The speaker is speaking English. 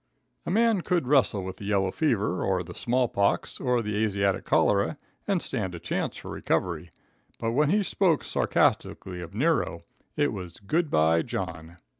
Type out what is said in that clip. A man could wrestle with the yellow fever, or the small pox, or the Asiatic cholera and stand a chance for recovery, but when he spoke sarcastically of Nero, it was good bye John.